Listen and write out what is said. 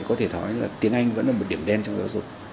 có thể nói là tiếng anh vẫn là một điểm đen trong giáo dục